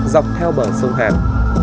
dọc theo bờ sông hàn